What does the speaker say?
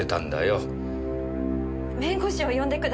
弁護士を呼んでください。